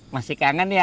masih kangen ya